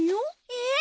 えっ？